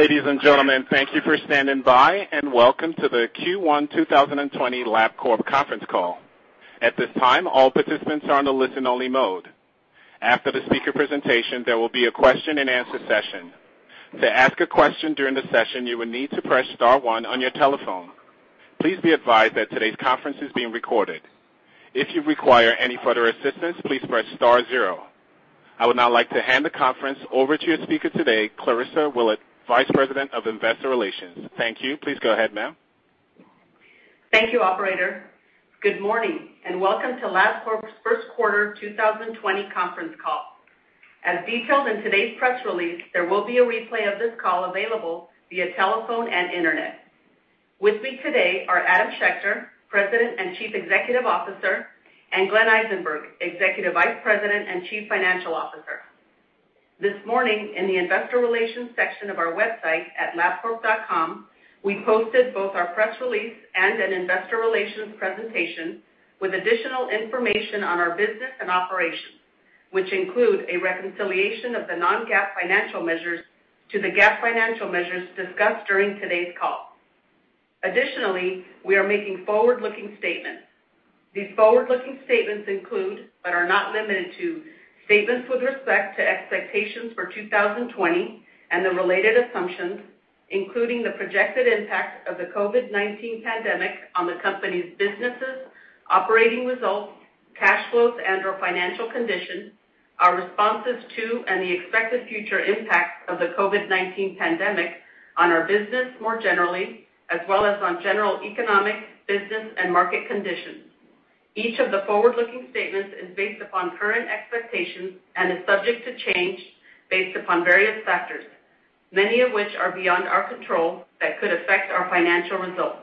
Ladies and gentlemen, thank you for standing by, and welcome to the Q1 2020 Labcorp conference call. At this time, all participants are on a listen-only mode. After the speaker presentation, there will be a question and answer session. To ask a question during the session, you will need to press star one on your telephone. Please be advised that today's conference is being recorded. If you require any further assistance, please press star zero. I would now like to hand the conference over to your speaker today, Clarissa Willett, Vice President of Investor Relations. Thank you. Please go ahead, ma'am. Thank you, operator. Good morning, and welcome to Labcorp's first quarter 2020 conference call. As detailed in today's press release, there will be a replay of this call available via telephone and internet. With me today are Adam Schechter, President and Chief Executive Officer, and Glenn Eisenberg, Executive Vice President and Chief Financial Officer. This morning, in the investor relations section of our website at labcorp.com, we posted both our press release and an investor relations presentation with additional information on our business and operations, which include a reconciliation of the non-GAAP financial measures to the GAAP financial measures discussed during today's call. Additionally, we are making forward-looking statements. These forward-looking statements include, but are not limited to, statements with respect to expectations for 2020 and the related assumptions, including the projected impact of the COVID-19 pandemic on the company's businesses, operating results, cash flows, and/or financial conditions, our responses to and the expected future impacts of the COVID-19 pandemic on our business more generally, as well as on general economic, business, and market conditions. Each of the forward-looking statements is based upon current expectations and is subject to change based upon various factors, many of which are beyond our control that could affect our financial results.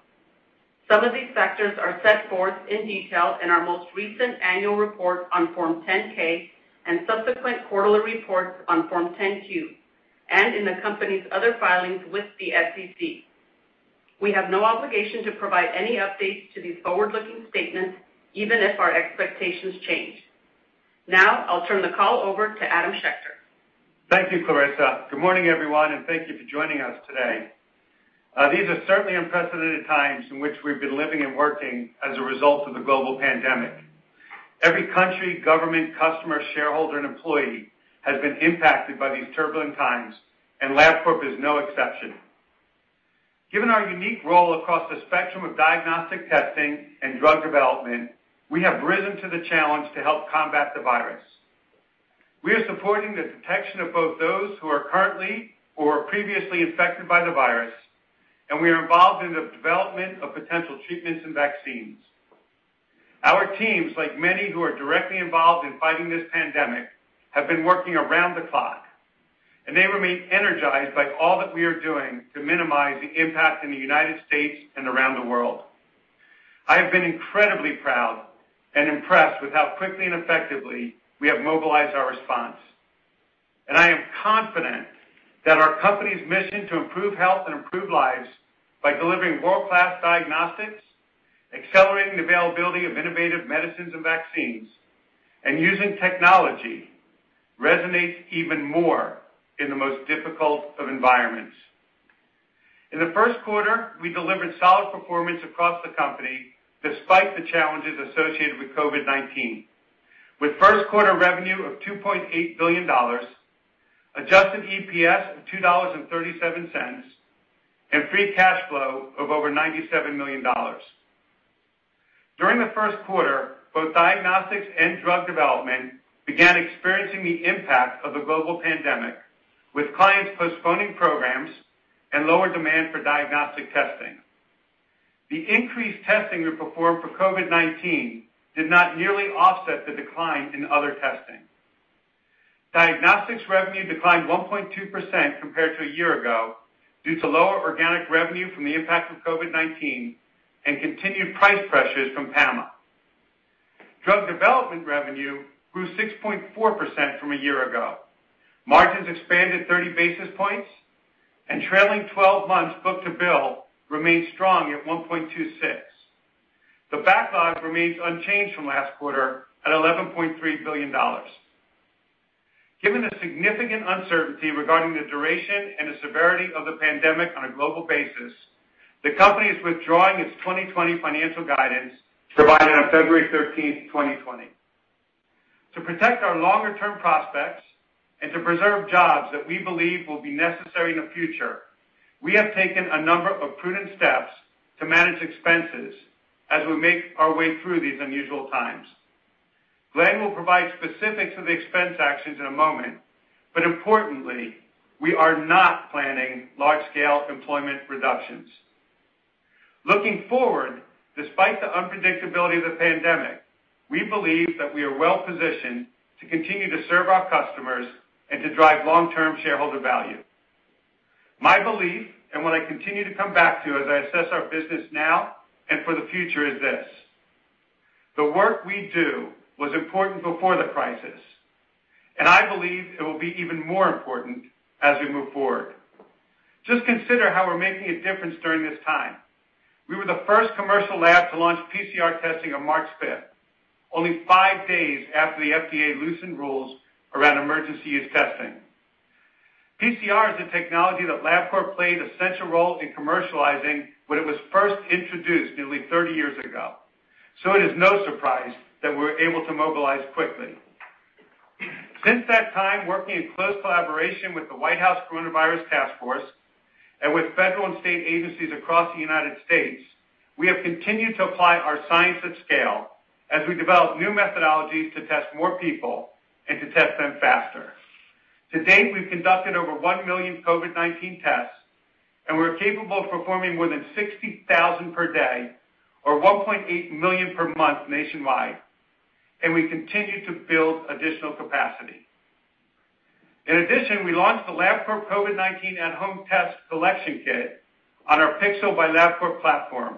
Some of these factors are set forth in detail in our most recent annual report on Form 10-K and subsequent quarterly reports on Form 10-Q, and in the company's other filings with the SEC. We have no obligation to provide any updates to these forward-looking statements even if our expectations change. Now, I'll turn the call over to Adam Schechter. Thank you, Clarissa. Good morning, everyone, and thank you for joining us today. These are certainly unprecedented times in which we've been living and working as a result of the global pandemic. Every country, government, customer, shareholder, and employee has been impacted by these turbulent times, and Labcorp is no exception. Given our unique role across the spectrum of diagnostic testing and drug development, we have risen to the challenge to help combat the virus. We are supporting the detection of both those who are currently or previously infected by the virus, and we are involved in the development of potential treatments and vaccines. Our teams, like many who are directly involved in fighting this pandemic, have been working around the clock, and they remain energized by all that we are doing to minimize the impact in the United States and around the world. I have been incredibly proud and impressed with how quickly and effectively we have mobilized our response. I am confident that our company's mission to improve health and improve lives by delivering world-class diagnostics, accelerating the availability of innovative medicines and vaccines, and using technology resonates even more in the most difficult of environments. In the first quarter, we delivered solid performance across the company despite the challenges associated with COVID-19, with first quarter revenue of $2.8 billion, adjusted EPS of $2.37, and free cash flow of over $97 million. During the first quarter, both diagnostics and drug development began experiencing the impact of the global pandemic, with clients postponing programs and lower demand for diagnostic testing. The increased testing we performed for COVID-19 did not nearly offset the decline in other testing. Diagnostics revenue declined 1.2% compared to a year ago due to lower organic revenue from the impact of COVID-19 and continued price pressures from PAMA. Drug development revenue grew 6.4% from a year ago. Margins expanded 30 basis points and trailing 12 months book-to-bill remained strong at 1.26. The backlog remains unchanged from last quarter at $11.3 billion. Given the significant uncertainty regarding the duration and the severity of the pandemic on a global basis, the company is withdrawing its 2020 financial guidance provided on February 13, 2020. To protect our longer-term prospects and to preserve jobs that we believe will be necessary in the future, we have taken a number of prudent steps to manage expenses as we make our way through these unusual times. Glenn will provide specifics of the expense actions in a moment, but importantly, we are not planning large-scale employment reductions. Looking forward, despite the unpredictability of the pandemic, we believe that we are well-positioned to continue to serve our customers and to drive long-term shareholder value. My belief, and what I continue to come back to as I assess our business now and for the future is this: the work we do was important before the crisis, and I believe it will be even more important as we move forward. Just consider how we're making a difference during this time. We were the first commercial lab to launch PCR testing on March 5th, only five days after the FDA loosened rules around emergency use testing. PCR is a technology that Labcorp played a central role in commercializing when it was first introduced nearly 30 years ago, it is no surprise that we were able to mobilize quickly. Since that time, working in close collaboration with the White House Coronavirus Task Force and with federal and state agencies across the United States, we have continued to apply our science at scale as we develop new methodologies to test more people and to test them faster. To date, we've conducted over 1 million COVID-19 tests, we're capable of performing more than 60,000 per day or 1.8 million per month nationwide, we continue to build additional capacity. In addition, we launched the Labcorp COVID-19 at-home test collection kit on our Pixel by Labcorp platform.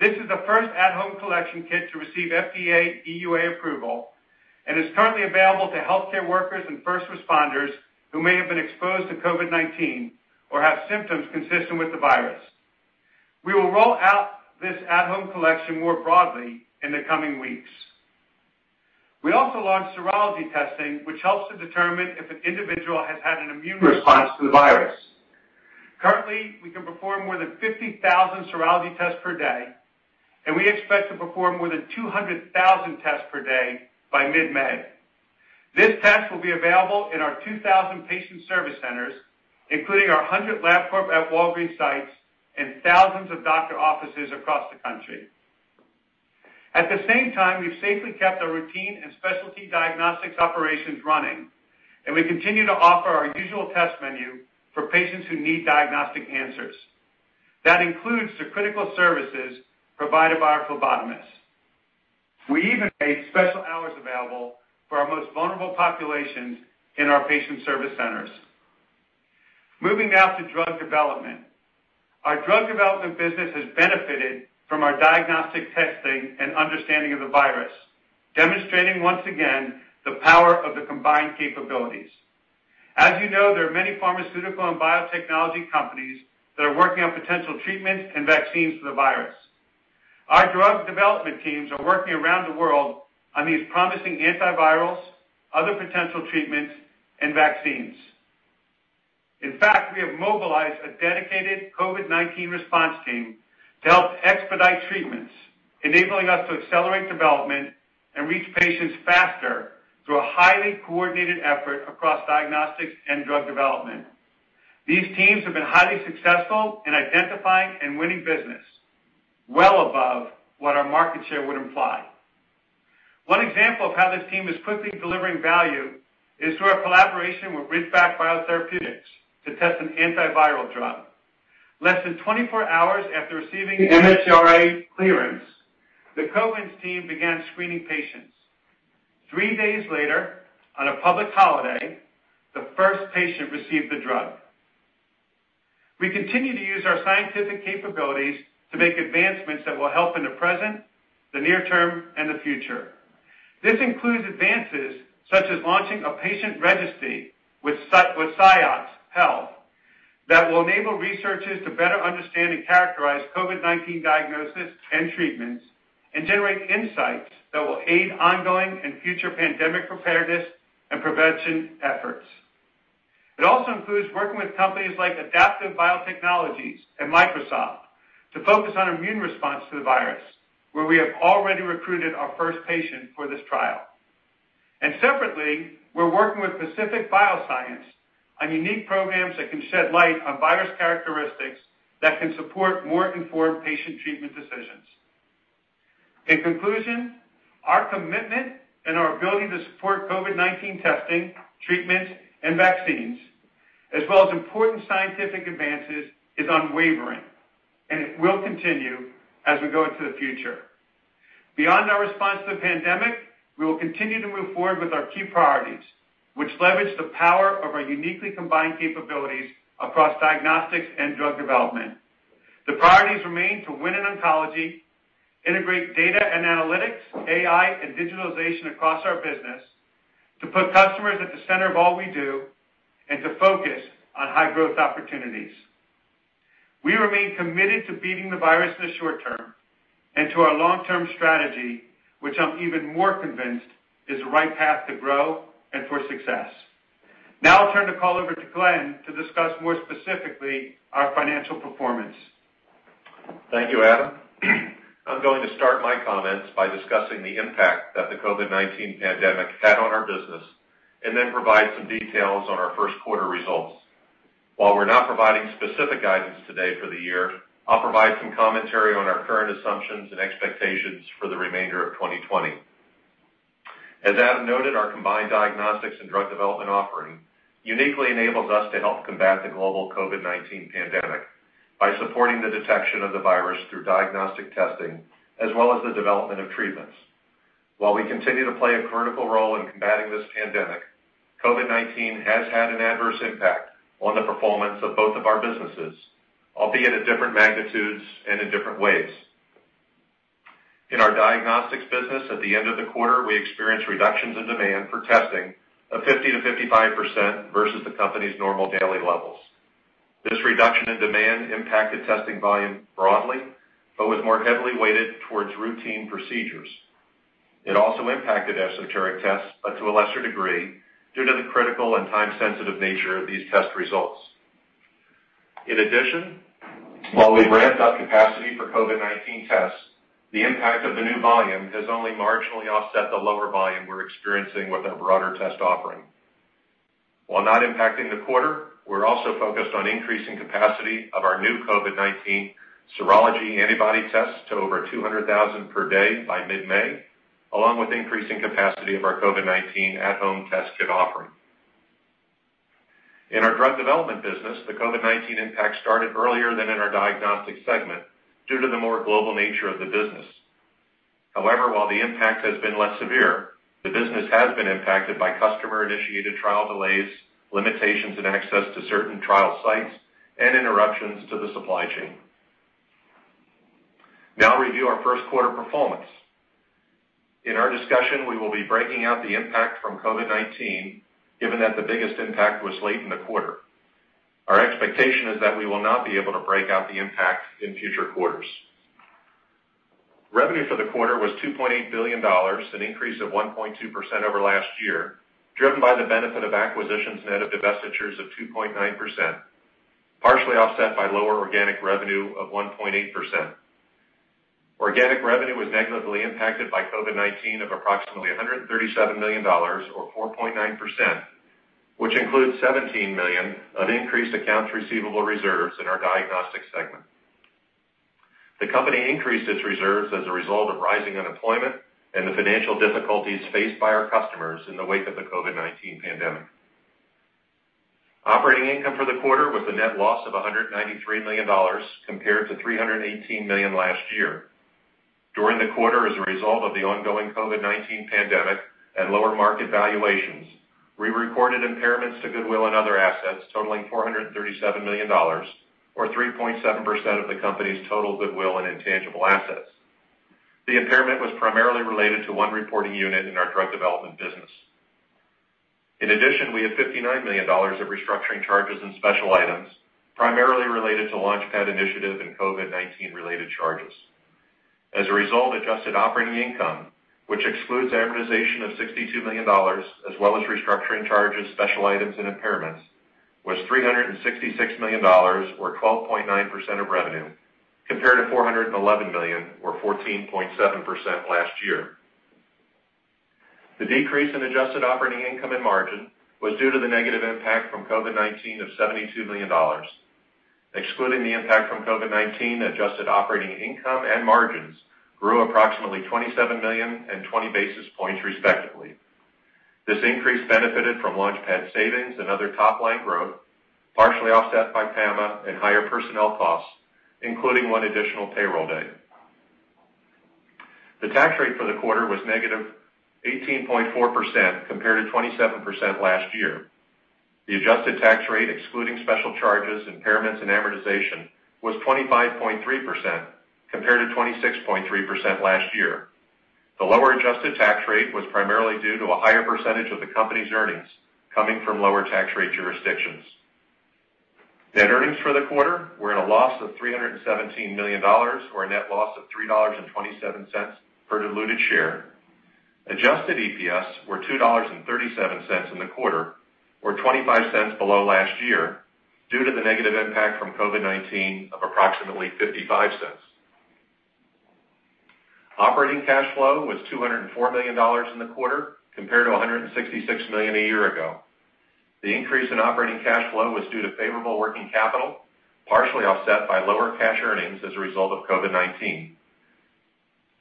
This is the first at-home collection kit to receive FDA EUA approval, is currently available to healthcare workers and first responders who may have been exposed to COVID-19 or have symptoms consistent with the virus. We will roll out this at-home collection more broadly in the coming weeks. We also launched serology testing, which helps to determine if an individual has had an immune response to the virus. Currently, we can perform more than 50,000 serology tests per day, and we expect to perform more than 200,000 tests per day by mid-May. This test will be available in our 2,000 patient service centers, including our 100 Labcorp at Walgreens sites and thousands of doctor offices across the country. At the same time, we've safely kept our routine and specialty diagnostics operations running, and we continue to offer our usual test menu for patients who need diagnostic answers. That includes the critical services provided by our phlebotomists. We even made special hours available for our most vulnerable populations in our patient service centers. Moving now to drug development. Our drug development business has benefited from our diagnostic testing and understanding of the virus, demonstrating once again the power of the combined capabilities. As you know, there are many pharmaceutical and biotechnology companies that are working on potential treatments and vaccines for the virus. Our drug development teams are working around the world on these promising antivirals, other potential treatments, and vaccines. In fact, we have mobilized a dedicated COVID-19 response team to help expedite treatments, enabling us to accelerate development and reach patients faster through a highly coordinated effort across diagnostics and drug development. These teams have been highly successful in identifying and winning business well above what our market share would imply. One example of how this team is quickly delivering value is through our collaboration with Ridgeback Biotherapeutics to test an antiviral drug. Less than 24 hours after receiving MHRA clearance, the COVID team began screening patients. Three days later, on a public holiday, the first patient received the drug. We continue to use our scientific capabilities to make advancements that will help in the present, the near term, and the future. This includes advances such as launching a patient registry with Scios Health that will enable researchers to better understand and characterize COVID-19 diagnosis and treatments and generate insights that will aid ongoing and future pandemic preparedness and prevention efforts. Separately, we're working with companies like Adaptive Biotechnologies and Microsoft to focus on immune response to the virus, where we have already recruited our first patient for this trial. Separately, we're working with Pacific Biosciences on unique programs that can shed light on virus characteristics that can support more informed patient treatment decisions. In conclusion, our commitment and our ability to support COVID-19 testing, treatments, and vaccines, as well as important scientific advances, is unwavering, and it will continue as we go into the future. Beyond our response to the pandemic, we will continue to move forward with our key priorities, which leverage the power of our uniquely combined capabilities across diagnostics and drug development. The priorities remain to win in oncology, integrate data and analytics, AI, and digitalization across our business, to put customers at the center of all we do, and to focus on high-growth opportunities. We remain committed to beating the virus in the short term and to our long-term strategy, which I'm even more convinced is the right path to grow and for success. Now I'll turn the call over to Glenn to discuss more specifically our financial performance. Thank you, Adam. I'm going to start my comments by discussing the impact that the COVID-19 pandemic had on our business and then provide some details on our first quarter results. While we're not providing specific guidance today for the year, I'll provide some commentary on our current assumptions and expectations for the remainder of 2020. As Adam noted, our combined diagnostics and drug development offering uniquely enables us to help combat the global COVID-19 pandemic by supporting the detection of the virus through diagnostic testing as well as the development of treatments. While we continue to play a critical role in combating this pandemic, COVID-19 has had an adverse impact on the performance of both of our businesses, albeit at different magnitudes and in different ways. In our diagnostics business at the end of the quarter, we experienced reductions in demand for testing of 50%-55% versus the company's normal daily levels. This reduction in demand impacted testing volume broadly, but was more heavily weighted towards routine procedures. It also impacted esoteric tests, but to a lesser degree, due to the critical and time-sensitive nature of these test results. While we've ramped up capacity for COVID-19 tests, the impact of the new volume has only marginally offset the lower volume we're experiencing with our broader test offering. While not impacting the quarter, we're also focused on increasing capacity of our new COVID-19 serology antibody tests to over 200,000 per day by mid-May, along with increasing capacity of our COVID-19 at-home test kit offering. In our drug development business, the COVID-19 impact started earlier than in our diagnostic segment due to the more global nature of the business. However, while the impact has been less severe, the business has been impacted by customer-initiated trial delays, limitations in access to certain trial sites, and interruptions to the supply chain. Now I'll review our first quarter performance. In our discussion, we will be breaking out the impact from COVID-19, given that the biggest impact was late in the quarter. Our expectation is that we will not be able to break out the impact in future quarters. Revenue for the quarter was $2.8 billion, an increase of 1.2% over last year, driven by the benefit of acquisitions net of divestitures of 2.9%, partially offset by lower organic revenue of 1.8%. Organic revenue was negatively impacted by COVID-19 of approximately $137 million, or 4.9%, which includes $17 million of increased accounts receivable reserves in our Diagnostics segment. The company increased its reserves as a result of rising unemployment and the financial difficulties faced by our customers in the wake of the COVID-19 pandemic. Operating income for the quarter was a net loss of $193 million compared to $318 million last year. During the quarter, as a result of the ongoing COVID-19 pandemic and lower market valuations, we recorded impairments to goodwill and other assets totaling $437 million, or 3.7% of the company's total goodwill in intangible assets. The impairment was primarily related to one reporting unit in our drug development business. We had $59 million of restructuring charges and special items, primarily related to LaunchPad initiative and COVID-19 related charges. Adjusted operating income, which excludes amortization of $62 million, as well as restructuring charges, special items, and impairments, was $366 million, or 12.9% of revenue, compared to $411 million, or 14.7% last year. The decrease in adjusted operating income and margin was due to the negative impact from COVID-19 of $72 million. Excluding the impact from COVID-19, adjusted operating income and margins grew approximately $27 million and 20 basis points, respectively. This increase benefited from LaunchPad savings and other top-line growth, partially offset by PAMA and higher personnel costs, including one additional payroll day. The tax rate for the quarter was -18.4% compared to 27% last year. The adjusted tax rate, excluding special charges, impairments, and amortization, was 25.3% compared to 26.3% last year. The lower adjusted tax rate was primarily due to a higher percentage of the company's earnings coming from lower tax rate jurisdictions. Net earnings for the quarter were at a loss of $317 million, or a net loss of $3.27 per diluted share. Adjusted EPS were $2.37 in the quarter, or $0.25 below last year due to the negative impact from COVID-19 of approximately $0.55. Operating cash flow was $204 million in the quarter, compared to $166 million a year ago. The increase in operating cash flow was due to favorable working capital, partially offset by lower cash earnings as a result of COVID-19.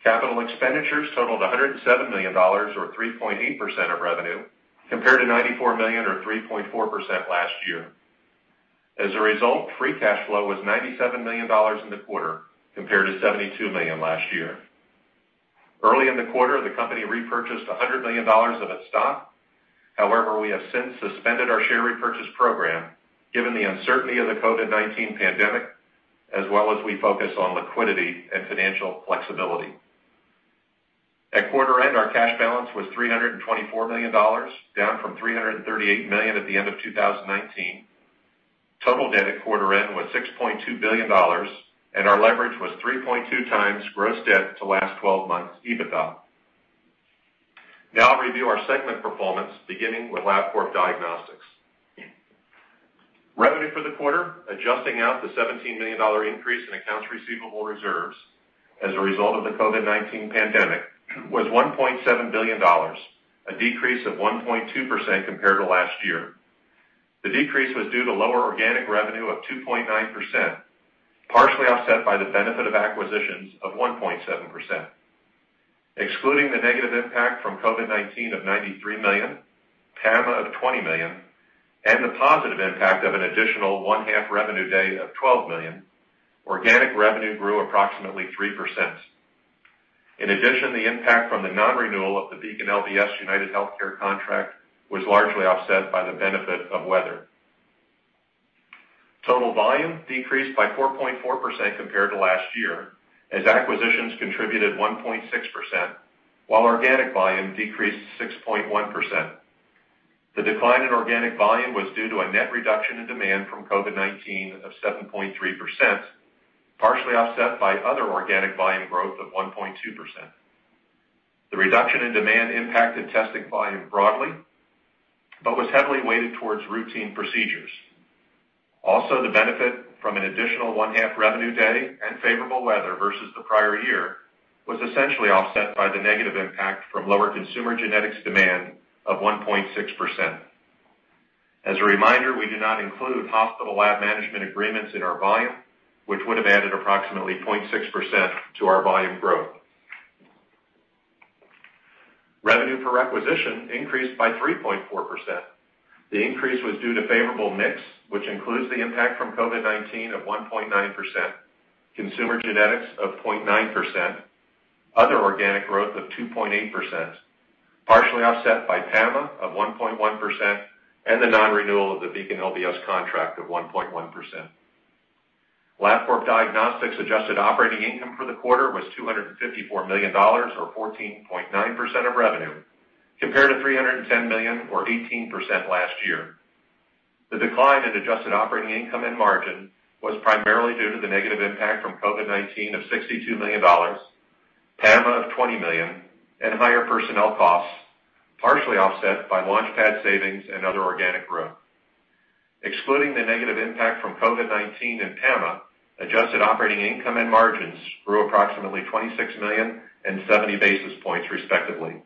Capital expenditures totaled $107 million, or 3.8% of revenue, compared to $94 million or 3.4% last year. Free cash flow was $97 million in the quarter, compared to $72 million last year. Early in the quarter, the company repurchased $100 million of its stock. We have since suspended our share repurchase program given the uncertainty of the COVID-19 pandemic, as well as we focus on liquidity and financial flexibility. At quarter end, our cash balance was $324 million, down from $338 million at the end of 2019. Total debt at quarter end was $6.2 billion, our leverage was 3.2x gross debt to last 12 months EBITDA. I'll review our segment performance, beginning with Labcorp Diagnostics. Revenue for the quarter, adjusting out the $17 million increase in accounts receivable reserves as a result of the COVID-19 pandemic, was $1.7 billion, a decrease of 1.2% compared to last year. The decrease was due to lower organic revenue of 2.9%, partially offset by the benefit of acquisitions of 1.7%. Excluding the negative impact from COVID-19 of $93 million, PAMA of $20 million, and the positive impact of an additional one-half revenue day of $12 million, organic revenue grew approximately 3%. In addition, the impact from the non-renewal of the BeaconLBS UnitedHealthcare contract was largely offset by the benefit of weather. Total volume decreased by 4.4% compared to last year, as acquisitions contributed 1.6%, while organic volume decreased 6.1%. The decline in organic volume was due to a net reduction in demand from COVID-19 of 7.3%, partially offset by other organic volume growth of 1.2%. The reduction in demand impacted testing volume broadly, but was heavily weighted towards routine procedures. The benefit from an additional one-half revenue day and favorable weather versus the prior year was essentially offset by the negative impact from lower consumer genetics demand of 1.6%. As a reminder, we do not include hospital lab management agreements in our volume, which would have added approximately 0.6% to our volume growth. Revenue per requisition increased by 3.4%. The increase was due to favorable mix, which includes the impact from COVID-19 of 1.9%, consumer genetics of 0.9%, other organic growth of 2.8%, partially offset by PAMA of 1.1%, and the non-renewal of the BeaconLBS contract of 1.1%. Labcorp Diagnostics adjusted operating income for the quarter was $254 million, or 14.9% of revenue, compared to $310 million, or 18% last year. The decline in adjusted operating income and margin was primarily due to the negative impact from COVID-19 of $62 million, PAMA of $20 million, and higher personnel costs, partially offset by LaunchPad savings and other organic growth. Excluding the negative impact from COVID-19 and PAMA, adjusted operating income and margins grew approximately $26 million and 70 basis points, respectively.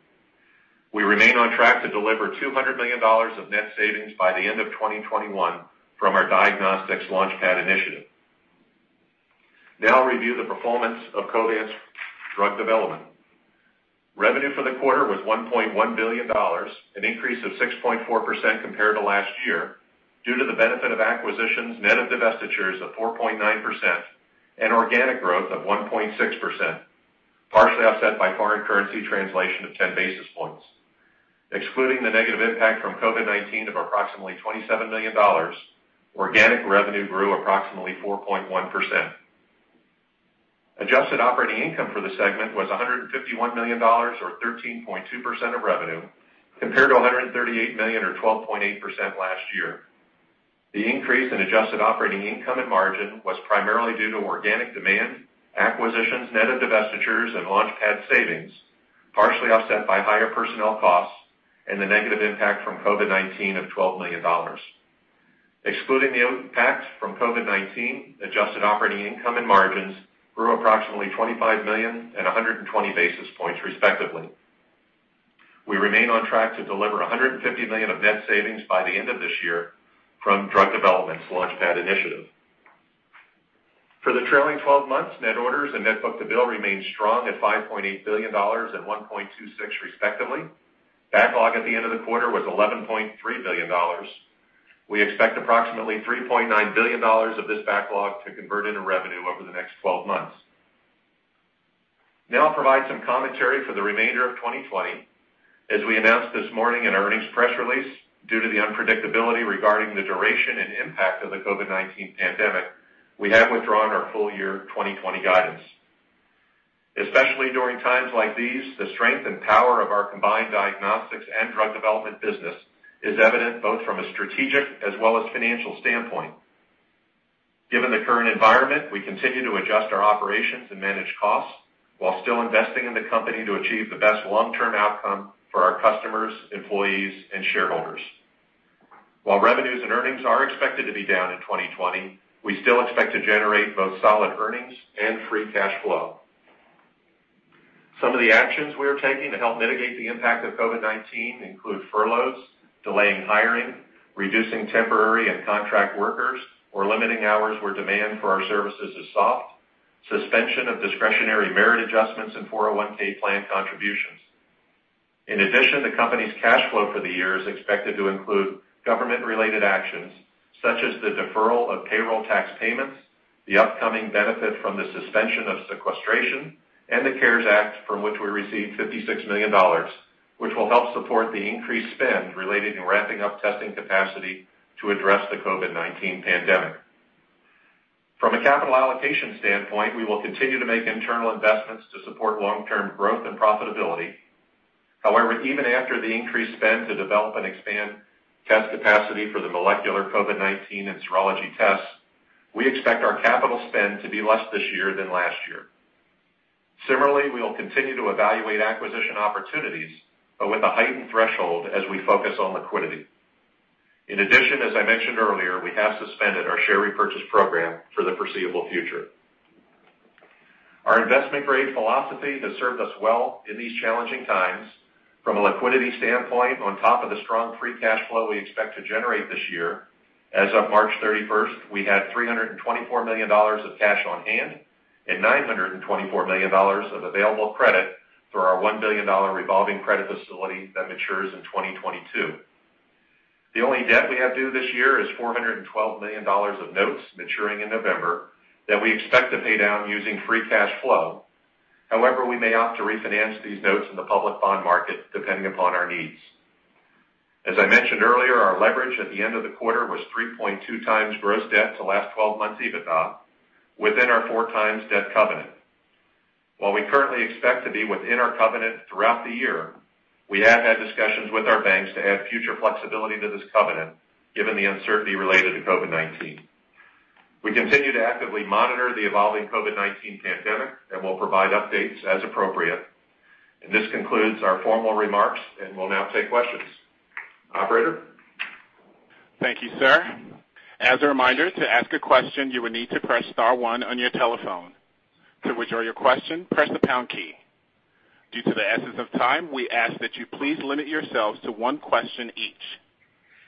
We remain on track to deliver $200 million of net savings by the end of 2021 from our Diagnostics LaunchPad initiative. I'll review the performance of Covance Drug Development. Revenue for the quarter was $1.1 billion, an increase of 6.4% compared to last year due to the benefit of acquisitions, net of divestitures of 4.9% and organic growth of 1.6%, partially offset by foreign currency translation of 10 basis points. Excluding the negative impact from COVID-19 of approximately $27 million, organic revenue grew approximately 4.1%. Adjusted operating income for the segment was $151 million or 13.2% of revenue, compared to $138 million or 12.8% last year. The increase in adjusted operating income and margin was primarily due to organic demand, acquisitions net of divestitures and LaunchPad savings, partially offset by higher personnel costs and the negative impact from COVID-19 of $12 million. Excluding the impact from COVID-19, adjusted operating income and margins grew approximately $25 million and 120 basis points, respectively. We remain on track to deliver $150 million of net savings by the end of this year from Drug Development's LaunchPad initiative. For the trailing 12 months, net orders and net book-to-bill remained strong at $5.8 billion and 1.26, respectively. Backlog at the end of the quarter was $11.3 billion. We expect approximately $3.9 billion of this backlog to convert into revenue over the next 12 months. Now I'll provide some commentary for the remainder of 2020. As we announced this morning in our earnings press release, due to the unpredictability regarding the duration and impact of the COVID-19 pandemic, we have withdrawn our full year 2020 guidance. Especially during times like these, the strength and power of our combined diagnostics and drug development business is evident both from a strategic as well as financial standpoint. Given the current environment, we continue to adjust our operations and manage costs while still investing in the company to achieve the best long-term outcome for our customers, employees, and shareholders. While revenues and earnings are expected to be down in 2020, we still expect to generate both solid earnings and free cash flow. Some of the actions we are taking to help mitigate the impact of COVID-19 include furloughs, delaying hiring, reducing temporary and contract workers, or limiting hours where demand for our services is soft, suspension of discretionary merit adjustments and 401 plan contributions. The company's cash flow for the year is expected to include government-related actions such as the deferral of payroll tax payments, the upcoming benefit from the suspension of sequestration, and the CARES Act, from which we received $56 million, which will help support the increased spend related to ramping up testing capacity to address the COVID-19 pandemic. From a capital allocation standpoint, we will continue to make internal investments to support long-term growth and profitability. However, even after the increased spend to develop and expand test capacity for the molecular COVID-19 and serology tests, we expect our capital spend to be less this year than last year. Similarly, we will continue to evaluate acquisition opportunities, but with a heightened threshold as we focus on liquidity. In addition, as I mentioned earlier, we have suspended our share repurchase program for the foreseeable future. Our investment-grade philosophy has served us well in these challenging times. From a liquidity standpoint, on top of the strong free cash flow we expect to generate this year, as of March 31st, we had $324 million of cash on hand and $924 million of available credit through our $1 billion revolving credit facility that matures in 2022. The only debt we have due this year is $412 million of notes maturing in November that we expect to pay down using free cash flow. However, we may opt to refinance these notes in the public bond market, depending upon our needs. As I mentioned earlier, our leverage at the end of the quarter was 3.2x gross debt to last 12 months EBITDA, within our 4x debt covenant. While we currently expect to be within our covenant throughout the year, we have had discussions with our banks to add future flexibility to this covenant, given the uncertainty related to COVID-19. We continue to actively monitor the evolving COVID-19 pandemic and will provide updates as appropriate. This concludes our formal remarks, and we'll now take questions. Operator? Thank you, sir. As a reminder, to ask a question, you will need to press star one on your telephone. To withdraw your question, press the pound key. Due to the essence of time, we ask that you please limit yourselves to one question each.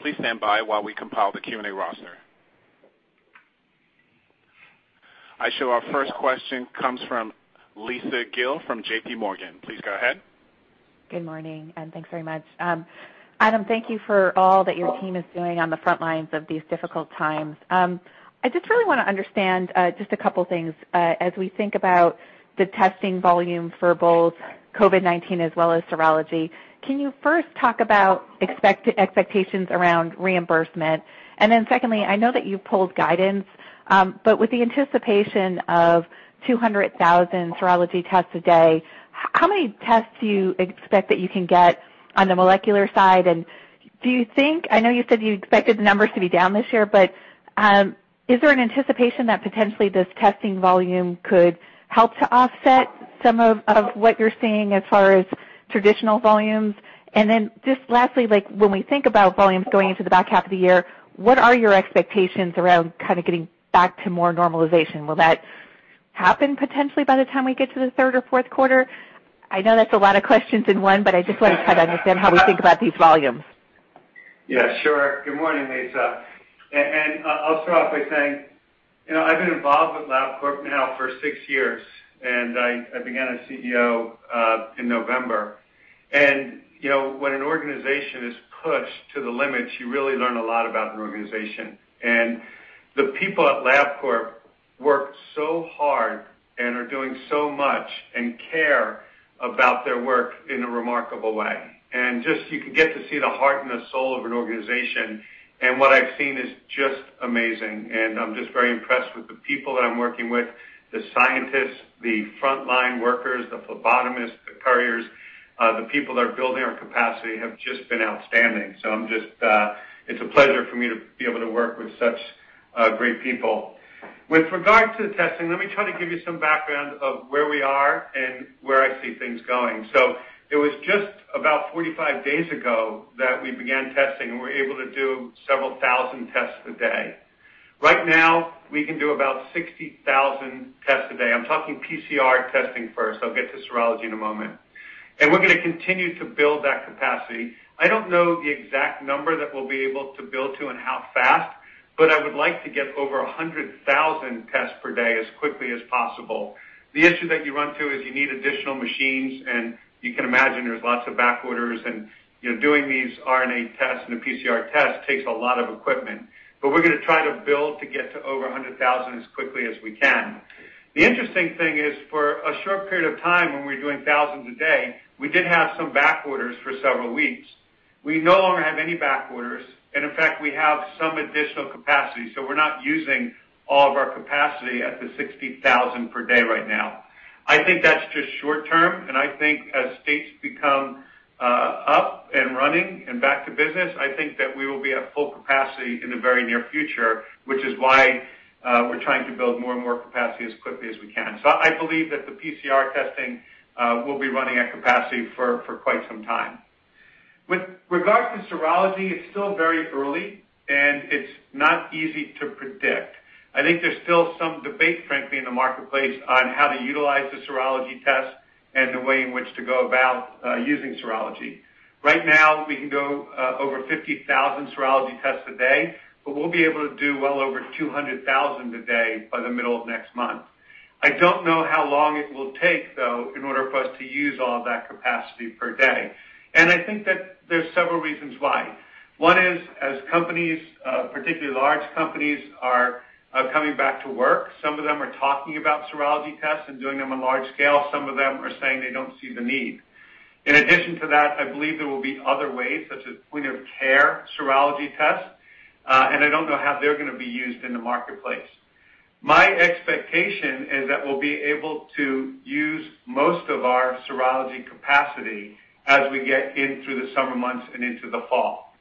Please stand by while we compile the Q&A roster. I show our first question comes from Lisa Gill from JPMorgan. Please go ahead. Good morning, thanks very much. Adam, thank you for all that your team is doing on the front lines of these difficult times. I just really want to understand, just a couple of things. As we think about the testing volume for both COVID-19 as well as serology, can you first talk about expectations around reimbursement? Secondly, I know that you've pulled guidance, but with the anticipation of 200,000 serology tests a day, how many tests do you expect that you can get on the molecular side? Do you think, I know you said you expected the numbers to be down this year, but is there an anticipation that potentially this testing volume could help to offset some of what you're seeing as far as traditional volumes? Just lastly, when we think about volumes going into the back half of the year, what are your expectations around getting back to more normalization? Will that happen potentially by the time we get to the third or fourth quarter? I know that's a lot of questions in one. I just want to try to understand how we think about these volumes. Yeah, sure. Good morning, Lisa. I'll start off by saying, I've been involved with Labcorp now for six years, and I began as CEO in November. When an organization is pushed to the limits, you really learn a lot about an organization. The people at Labcorp work so hard and are doing so much and care about their work in a remarkable way. Just, you can get to see the heart and the soul of an organization, and what I've seen is just amazing. I'm just very impressed with the people that I'm working with, the scientists, the frontline workers, the phlebotomists, the couriers. The people that are building our capacity have just been outstanding. It's a pleasure for me to be able to work with such great people. With regard to the testing, let me try to give you some background of where we are and where I see things going. It was just about 45 days ago that we began testing, and we're able to do several thousand tests a day. Right now, we can do about 60,000 tests a day. I'm talking PCR testing first. I'll get to serology in a moment. We're going to continue to build that capacity. I don't know the exact number that we'll be able to build to and how fast, but I would like to get over 100,000 tests per day as quickly as possible. The issue that you run into is you need additional machines, and you can imagine there's lots of back orders and doing these RNA tests and the PCR tests takes a lot of equipment. We're going to try to build to get to over 100,000 as quickly as we can. The interesting thing is, for a short period of time, when we were doing thousands a day, we did have some back orders for several weeks. We no longer have any back orders, and in fact, we have some additional capacity, so we're not using all of our capacity at the 60,000 per day right now. I think that's just short term, and I think as states become up and running and back to business, I think that we will be at full capacity in the very near future, which is why we're trying to build more and more capacity as quickly as we can. I believe that the PCR testing will be running at capacity for quite some time. With regard to serology, it's still very early and it's not easy to predict. I think there's still some debate, frankly, in the marketplace on how to utilize the serology test and the way in which to go about using serology. Right now, we can do over 50,000 serology tests a day, but we'll be able to do well over 200,000 a day by the middle of next month. I don't know how long it will take, though, in order for us to use all of that capacity per day. I think that there's several reasons why. One is, as companies, particularly large companies, are coming back to work, some of them are talking about serology tests and doing them on large scale. Some of them are saying they don't see the need. In addition to that, I believe there will be other ways, such as point of care serology tests, and I don't know how they're going to be used in the marketplace. My expectation is that we'll be able to use most of our serology capacity as we get in through the summer months and into the fall.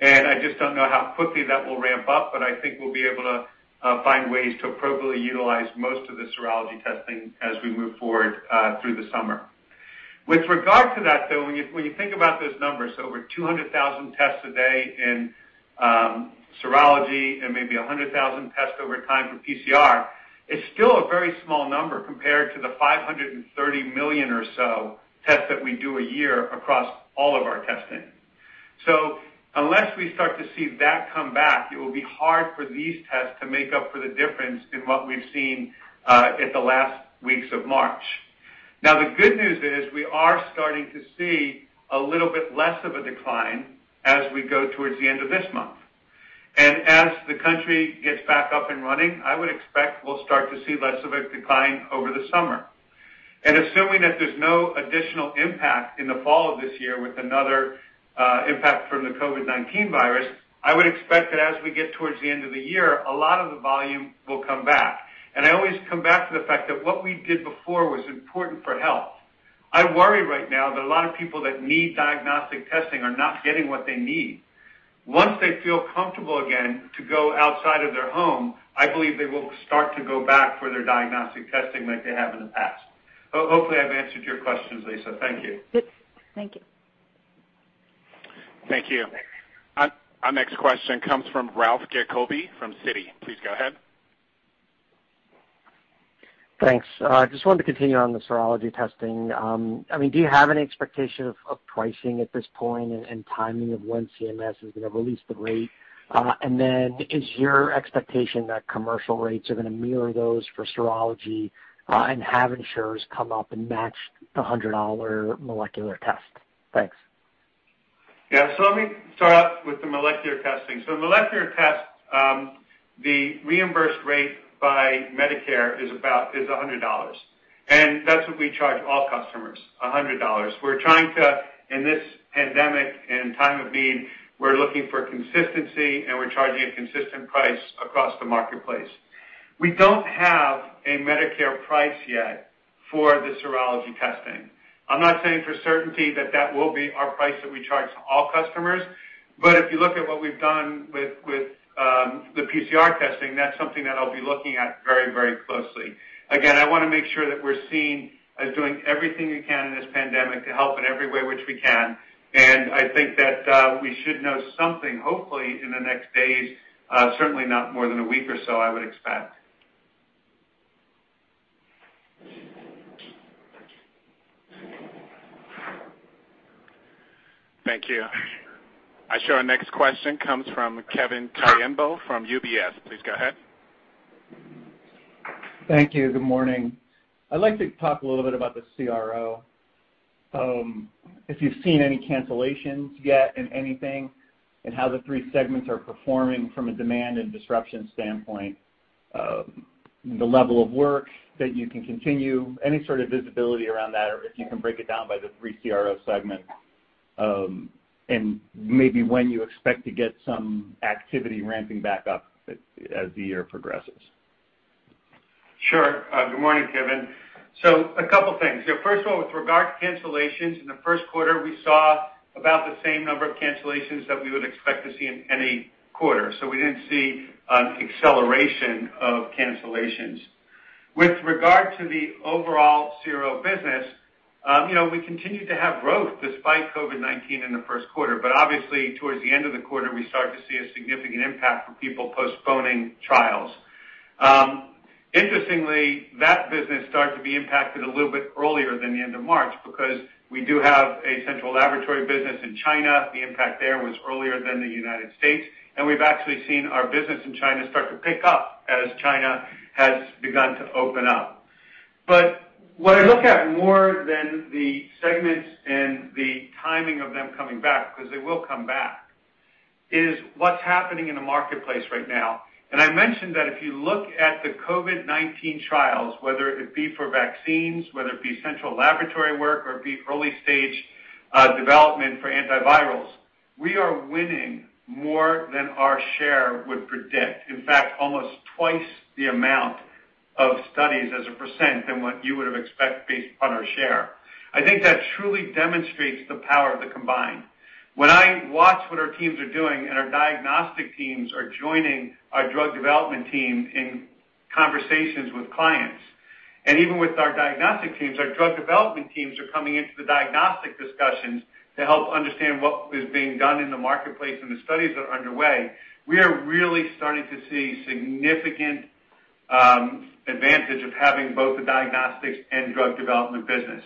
I just don't know how quickly that will ramp up, but I think we'll be able to find ways to appropriately utilize most of the serology testing as we move forward through the summer. With regard to that, though, when you think about those numbers, over 200,000 tests a day in serology and maybe 100,000 tests over time for PCR, it's still a very small number compared to the 530 million or so tests that we do a year across all of our testing. Unless we start to see that come back, it will be hard for these tests to make up for the difference in what we've seen at the last weeks of March. The good news is we are starting to see a little bit less of a decline as we go towards the end of this month. As the country gets back up and running, I would expect we'll start to see less of a decline over the summer. Assuming that there's no additional impact in the fall of this year with another impact from the COVID-19 virus, I would expect that as we get towards the end of the year, a lot of the volume will come back. I always come back to the fact that what we did before was important for health. I worry right now that a lot of people that need diagnostic testing are not getting what they need. Once they feel comfortable again to go outside of their home, I believe they will start to go back for their diagnostic testing like they have in the past. Hopefully, I've answered your questions, Lisa. Thank you. Yep. Thank you. Thank you. Our next question comes from Ralph Giacobbe from Citi. Please go ahead. Thanks. I just wanted to continue on the serology testing. Do you have any expectation of pricing at this point and timing of when CMS is going to release the rate? Is your expectation that commercial rates are going to mirror those for serology, and have insurers come up and match the $100 molecular test? Thanks. Let me start out with the molecular testing. Molecular tests, the reimbursed rate by Medicare is $100. That's what we charge all customers, $100. We're trying to, in this pandemic and time of need, we're looking for consistency and we're charging a consistent price across the marketplace. We don't have a Medicare price yet for the serology testing. I'm not saying for certainty that will be our price that we charge to all customers, but if you look at what we've done with the PCR testing, that's something that I'll be looking at very closely. Again, I want to make sure that we're seen as doing everything we can in this pandemic to help in every way which we can. I think that we should know something, hopefully, in the next days, certainly not more than a week or so, I would expect. Thank you. I show our next question comes from Kevin Caliendo from UBS. Please go ahead. Thank you. Good morning. I'd like to talk a little bit about the CRO. If you've seen any cancellations yet in anything, and how the three segments are performing from a demand and disruption standpoint, the level of work that you can continue, any sort of visibility around that, or if you can break it down by the three CRO segments, and maybe when you expect to get some activity ramping back up as the year progresses. Sure. Good morning, Kevin. A couple things. First of all, with regard to cancellations, in the first quarter, we saw about the same number of cancellations that we would expect to see in any quarter. We didn't see an acceleration of cancellations. With regard to the overall CRO business, we continued to have growth despite COVID-19 in the first quarter. Obviously, towards the end of the quarter, we started to see a significant impact from people postponing trials. Interestingly, that business started to be impacted a little bit earlier than the end of March because we do have a central laboratory business in China. The impact there was earlier than the United States, and we've actually seen our business in China start to pick up as China has begun to open up. What I look at more than the segments and the timing of them coming back, because they will come back, is what's happening in the marketplace right now. I mentioned that if you look at the COVID-19 trials, whether it be for vaccines, whether it be central laboratory work, or it be early-stage development for antivirals, we are winning more than our share would predict. In fact, almost twice the amount of studies as a percent than what you would have expected based on our share. I think that truly demonstrates the power of the combined. When I watch what our teams are doing and our diagnostic teams are joining our drug development team in conversations with clients, and even with our diagnostic teams, our drug development teams are coming into the diagnostic discussions to help understand what is being done in the marketplace and the studies that are underway. We are really starting to see significant advantage of having both the diagnostics and drug development business.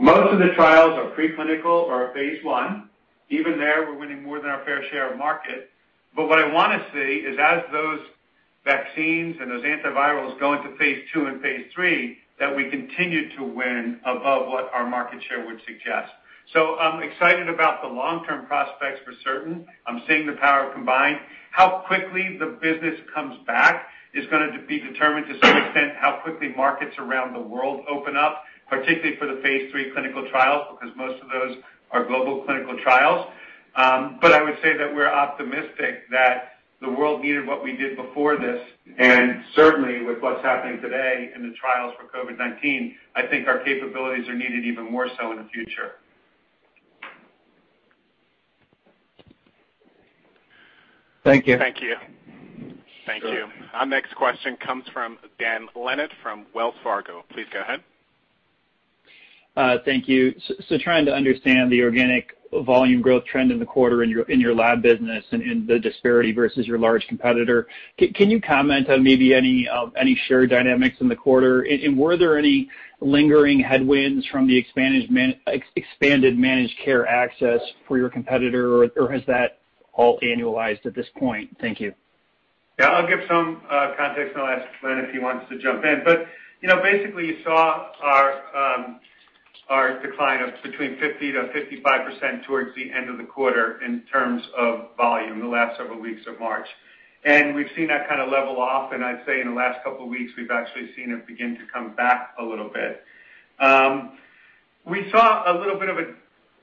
Most of the trials are pre-clinical or are phase I. Even there, we're winning more than our fair share of market. What I want to see is as those vaccines and those antivirals go into phase II and phase III, that we continue to win above what our market share would suggest. I'm excited about the long-term prospects for certain. I'm seeing the power of combined. How quickly the business comes back is going to be determined to some extent how quickly markets around the world open up, particularly for the phase III clinical trials, because most of those are global clinical trials. I would say that we're optimistic that the world needed what we did before this, and certainly with what's happening today in the trials for COVID-19, I think our capabilities are needed even more so in the future. Thank you. Thank you. Our next question comes from Dan Leonard from Wells Fargo. Please go ahead. Thank you. Trying to understand the organic volume growth trend in the quarter in your lab business and the disparity versus your large competitor. Can you comment on maybe any share dynamics in the quarter? Were there any lingering headwinds from the expanded managed care access for your competitor, or has that all annualized at this point? Thank you. Yeah, I'll give some context, and I'll ask Glenn if he wants to jump in. Basically, you saw our decline of between 50%-55% towards the end of the quarter in terms of volume, the last several weeks of March. We've seen that kind of level off, and I'd say in the last couple of weeks, we've actually seen it begin to come back a little bit. We saw a little bit of a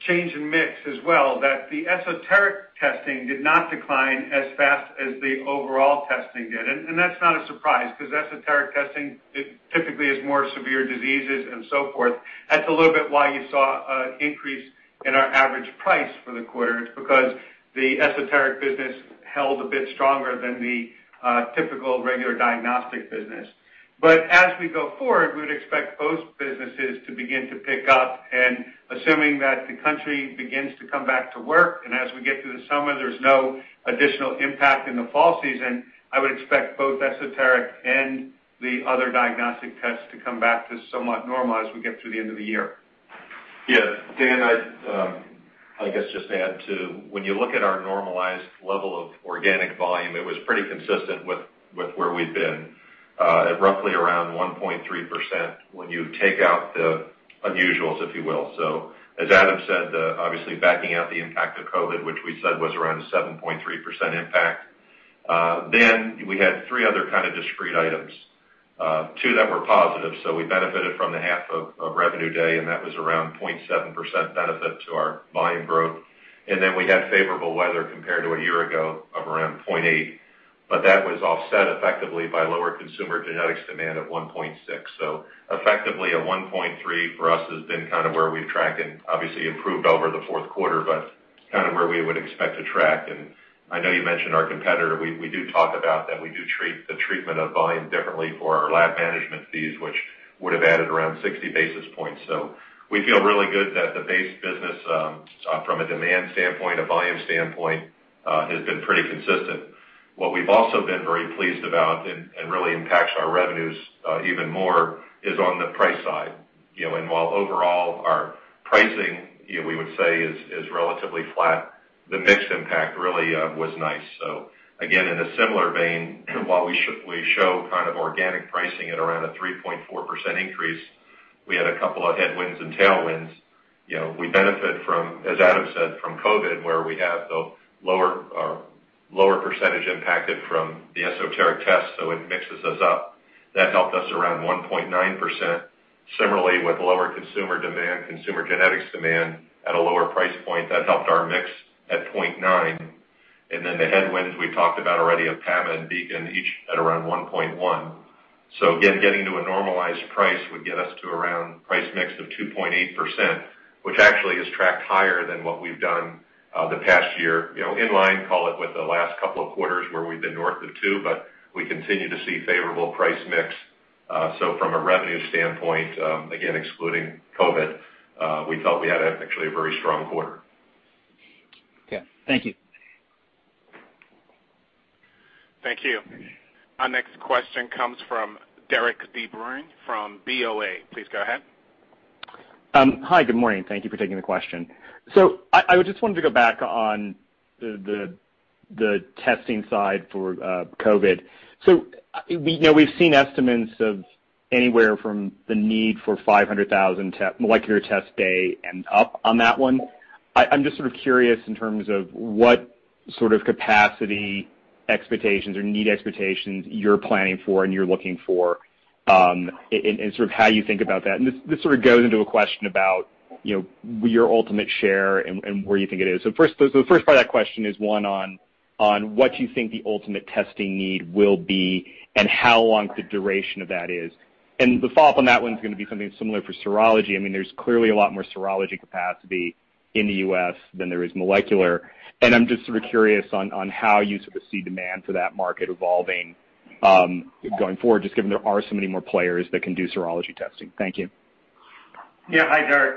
change in mix as well, that the esoteric testing did not decline as fast as the overall testing did. That's not a surprise, because esoteric testing typically is more severe diseases and so forth. That's a little bit why you saw an increase in our average price for the quarter. It's because the esoteric business held a bit stronger than the typical regular diagnostic business. As we go forward, we would expect both businesses to begin to pick up, and assuming that the country begins to come back to work, and as we get through the summer, there's no additional impact in the fall season, I would expect both esoteric and the other diagnostic tests to come back to somewhat normal as we get through the end of the year. Yes. Dan, I guess just add to, when you look at our normalized level of organic volume, it was pretty consistent with where we've been, at roughly around 1.3% when you take out the unusuals, if you will. As Adam said, obviously backing out the impact of COVID, which we said was around 7.3% impact, then we had three other kind of discrete items, two that were positive. We benefited from the half of Revenue Day, and that was around 0.7% benefit to our volume growth. Then we had favorable weather compared to a year ago of around 0.8%, but that was offset effectively by lower consumer genetics demand of 1.6%. Effectively a 1.3% for us has been kind of where we've tracked and obviously improved over the fourth quarter, but kind of where we would expect to track. I know you mentioned our competitor. We do talk about that. We do treat the treatment of volume differently for our lab management fees, which would have added around 60 basis points. We feel really good that the base business, from a demand standpoint, a volume standpoint, has been pretty consistent. What we've also been very pleased about, and really impacts our revenues even more, is on the price side. While overall our pricing, we would say is relatively flat, the mix impact really was nice. Again, in a similar vein, while we show organic pricing at around a 3.4% increase, we had a couple of headwinds and tailwinds. We benefit from, as Adam said, from COVID, where we have the lower percentage impacted from the esoteric test, so it mixes us up. That helped us around 1.9%. Similarly, with lower consumer demand, consumer genetics demand at a lower price point, that helped our mix at 0.9. The headwinds we talked about already of PAMA and BeaconLBS, each at around 1.1. Getting to a normalized price would get us to around price mix of 2.8%, which actually has tracked higher than what we've done the past year. In line, call it, with the last couple of quarters where we've been north of two, we continue to see favorable price mix. From a revenue standpoint, again, excluding COVID, we felt we had actually a very strong quarter. Okay. Thank you. Thank you. Our next question comes from Derik de Bruin from BofA. Please go ahead. Hi, good morning. Thank you for taking the question. I just wanted to go back on the testing side for COVID. We've seen estimates of anywhere from the need for 500,000 molecular tests a day and up on that one. I'm just sort of curious in terms of what sort of capacity expectations or need expectations you're planning for and you're looking for, and how you think about that. This sort of goes into a question about your ultimate share and where you think it is. The first part of that question is one on what you think the ultimate testing need will be and how long the duration of that is. The follow-up on that one is going to be something similar for serology. There's clearly a lot more serology capacity in the U.S. than there is molecular. I'm just sort of curious on how you see demand for that market evolving going forward, just given there are so many more players that can do serology testing. Thank you. Hi, Derik.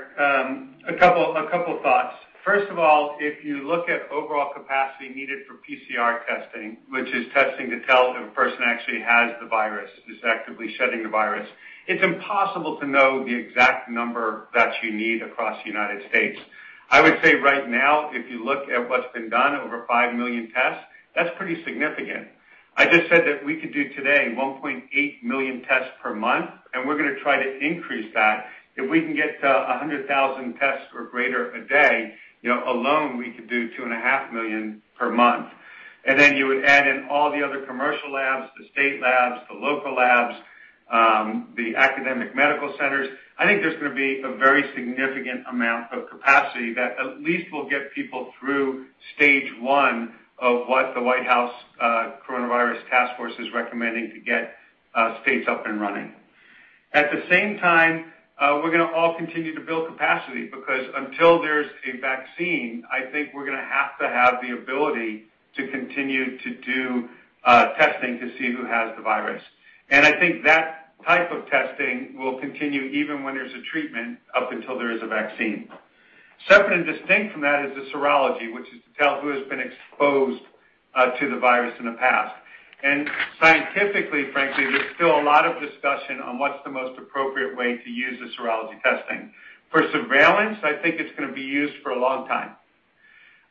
A couple of thoughts. First of all, if you look at overall capacity needed for PCR testing, which is testing to tell if a person actually has the virus, is actively shedding the virus, it's impossible to know the exact number that you need across the U.S. I would say right now, if you look at what's been done, over 5 million tests, that's pretty significant. I just said that we could do today 1.8 million tests per month, and we're going to try to increase that. If we can get to 100,000 tests or greater a day alone, we could do 2.5 million per month. You would add in all the other commercial labs, the state labs, the local labs, the academic medical centers. I think there's going to be a very significant amount of capacity that at least will get people through stage one of what the White House Coronavirus Task Force is recommending to get states up and running. At the same time, we're going to all continue to build capacity, because until there's a vaccine, I think we're going to have to have the ability to continue to do testing to see who has the virus. I think that type of testing will continue even when there's a treatment, up until there is a vaccine. Separate and distinct from that is the serology, which is to tell who has been exposed to the virus in the past. Scientifically, frankly, there's still a lot of discussion on what's the most appropriate way to use the serology testing. For surveillance, I think it's going to be used for a long time.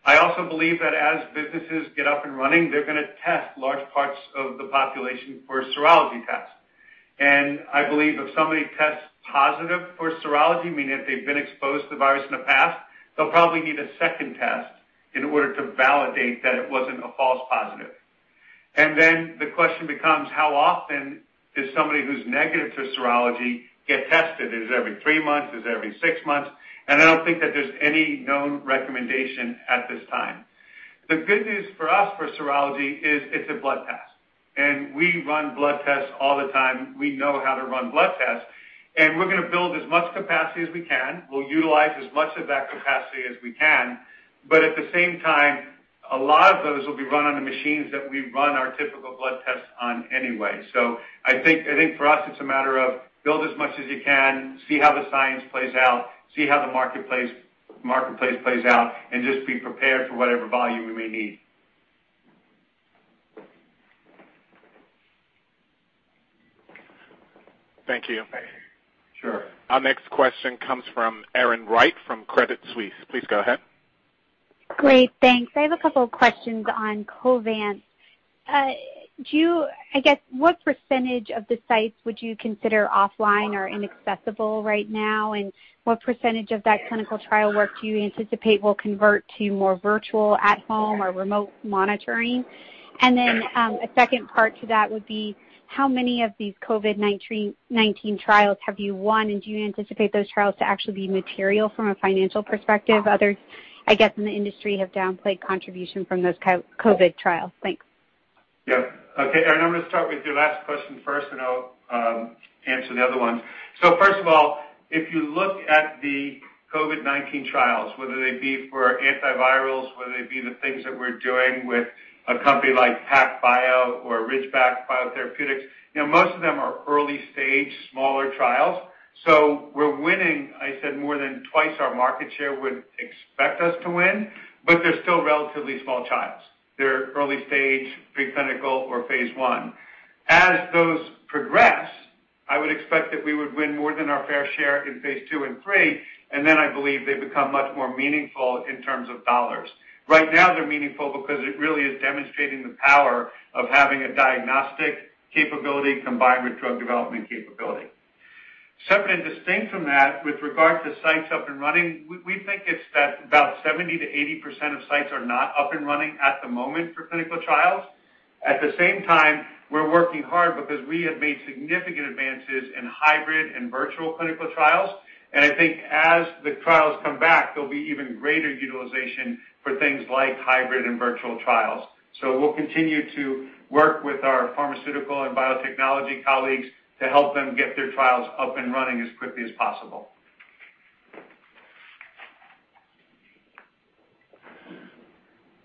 I also believe that as businesses get up and running, they're going to test large parts of the population for serology tests. I believe if somebody tests positive for serology, meaning that they've been exposed to the virus in the past, they'll probably need a second test in order to validate that it wasn't a false positive. The question becomes, how often does somebody who's negative to serology get tested? Is it every three months? Is it every six months? I don't think that there's any known recommendation at this time. The good news for us for serology is it's a blood test, and we run blood tests all the time. We know how to run blood tests, and we're going to build as much capacity as we can. We'll utilize as much of that capacity as we can. At the same time, a lot of those will be run on the machines that we run our typical blood tests on anyway. I think for us, it's a matter of build as much as you can, see how the science plays out, see how the marketplace plays out, and just be prepared for whatever volume we may need. Thank you. Sure. Our next question comes from Erin Wright from Credit Suisse. Please go ahead. Great. Thanks. I have a couple questions on Covance. I guess what percentage of the sites would you consider offline or inaccessible right now, and what percentage of that clinical trial work do you anticipate will convert to more virtual at-home or remote monitoring? A second part to that would be how many of these COVID-19 trials have you won, and do you anticipate those trials to actually be material from a financial perspective? Others, I guess, in the industry have downplayed contribution from those COVID trials. Thanks. Okay, Erin, I'm going to start with your last question first, and I will answer the other ones. First of all, if you look at the COVID-19 trials, whether they be for antivirals, whether they be the things that we're doing with a company like Pac Bio or Ridgeback Biotherapeutics, most of them are early-stage, smaller trials. We're winning, I said, more than twice our market share would expect us to win, but they're still relatively small trials. They're early-stage, pre-clinical, or phase I. As those progress, I would expect that we would win more than our fair share in phase II and III, and then I believe they become much more meaningful in terms of dollars. Right now, they're meaningful because it really is demonstrating the power of having a diagnostic capability combined with drug development capability. Separate and distinct from that, with regard to sites up and running, we think it's that about 70%-80% of sites are not up and running at the moment for clinical trials. At the same time, we're working hard because we have made significant advances in hybrid and virtual clinical trials. I think as the trials come back, there'll be even greater utilization for things like hybrid and virtual trials. We'll continue to work with our pharmaceutical and biotechnology colleagues to help them get their trials up and running as quickly as possible.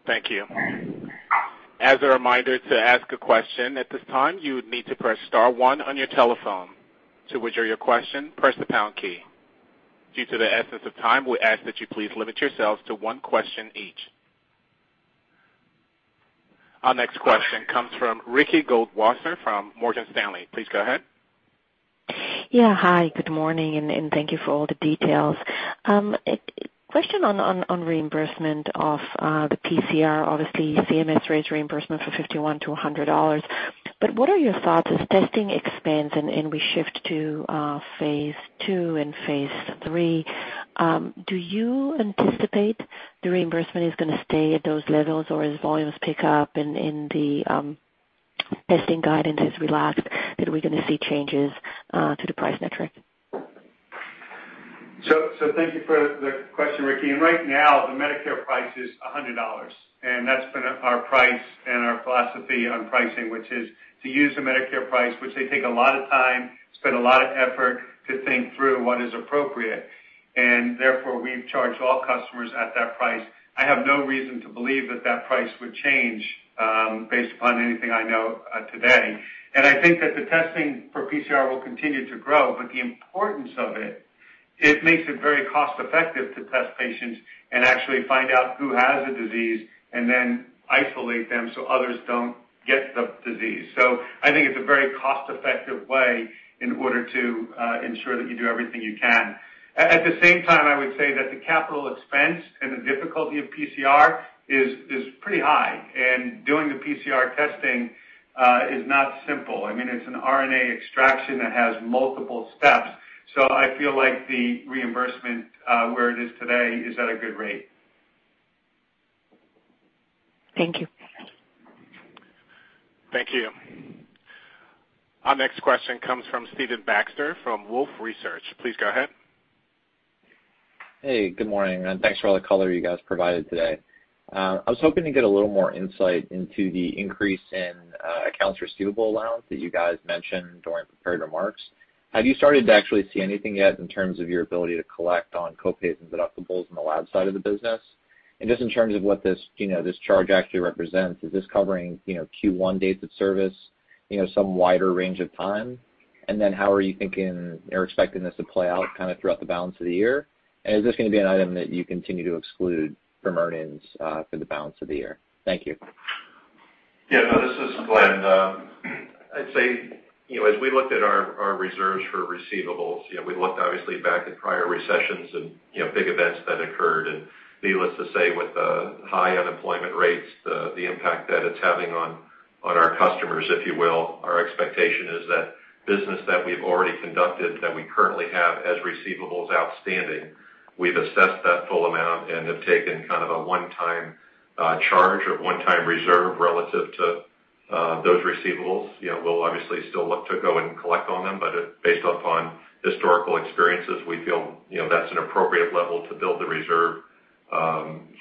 Thank you. As a reminder to ask a question at this time, you would need to press star one on your telephone. To withdraw your question, press the pound key. Due to the essence of time, we ask that you please limit yourselves to one question each. Our next question comes from Ricky Goldwasser from Morgan Stanley. Please go ahead. Yeah. Hi, good morning, and thank you for all the details. Question on reimbursement of the PCR. Obviously, CMS raised reimbursement for $51 to $100, but what are your thoughts as testing expands and we shift to phase II and phase III? Do you anticipate the reimbursement is going to stay at those levels or as volumes pick up and the testing guidance is relaxed, that we're going to see changes to the price metric? Thank you for the question, Ricky. Right now the Medicare price is $100, and that's been our price and our philosophy on pricing, which is to use the Medicare price, which they take a lot of time, spend a lot of effort to think through what is appropriate. Therefore, we've charged all customers at that price. I have no reason to believe that that price would change based upon anything I know today. I think that the testing for PCR will continue to grow, the importance of it makes it very cost-effective to test patients and actually find out who has a disease and then isolate them so others don't get the disease. I think it's a very cost-effective way in order to ensure that you do everything you can. At the same time, I would say that the capital expense and the difficulty of PCR is pretty high, and doing the PCR testing is not simple. It's an RNA extraction that has multiple steps. I feel like the reimbursement, where it is today, is at a good rate. Thank you. Thank you. Our next question comes from Stephen Baxter from Wolfe Research. Please go ahead. Hey, good morning. Thanks for all the color you guys provided today. I was hoping to get a little more insight into the increase in accounts receivable allowance that you guys mentioned during prepared remarks. Have you started to actually see anything yet in terms of your ability to collect on co-pays and deductibles on the lab side of the business? Just in terms of what this charge actually represents, is this covering Q1 dates of service, some wider range of time? How are you thinking or expecting this to play out throughout the balance of the year? Is this going to be an item that you continue to exclude from earnings for the balance of the year? Thank you. Yeah. This is Glenn. I'd say, as we looked at our reserves for receivables, we looked obviously back at prior recessions and big events that occurred. Needless to say, with the high unemployment rates, the impact that it's having on our customers, if you will, our expectation is that business that we've already conducted, that we currently have as receivables outstanding, we've assessed that full amount and have taken kind of a one-time charge or one-time reserve relative to those receivables. We'll obviously still look to go and collect on them, based upon historical experiences, we feel that's an appropriate level to build the reserve